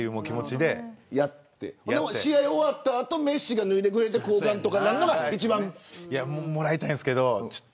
でも試合が終わった後メッシが脱いでくれて交換というのが一番。もらいたいんですけど。